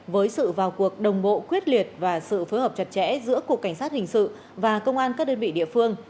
với sự vào cuộc đồng bộ quyết liệt và sự phối hợp chặt chẽ giữa cục cảnh sát hình sự và công an các đơn vị địa phương